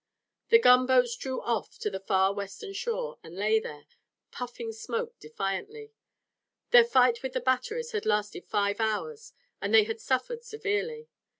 The gunboats drew off to the far western shore and lay there, puffing smoke defiantly. Their fight with the batteries had lasted five hours and they had suffered severely.